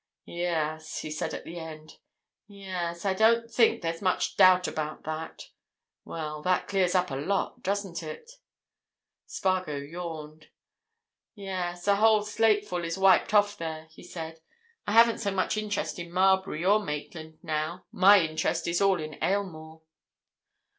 "Yes," he said at the end. "Yes—I don't think there's much doubt about that. Well, that clears up a lot, doesn't it?" Spargo yawned. "Yes, a whole slate full is wiped off there," he said. "I haven't so much interest in Marbury, or Maitland now. My interest is all in Aylmore."